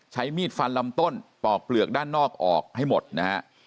ใช้มีดฟันลำต้นปอกเปลือกด้านนอกออกให้หมดนะฮะ